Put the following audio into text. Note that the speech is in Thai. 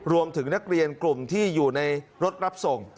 รวมถึงนักเรียนกลุ่มที่อยู่ในรถรับส่ง